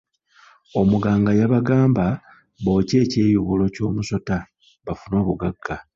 Omuganga yabagamba bookye ekyeyubulo ky'omusota bafune obugagga.